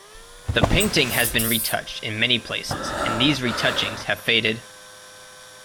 The painting has been retouched in many places, and these retouchings have faded.